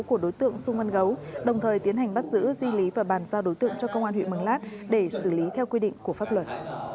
của đối tượng sung mân gấu đồng thời tiến hành bắt giữ di lý và bàn giao đối tượng cho công an huyện mường lát để xử lý theo quy định của pháp luật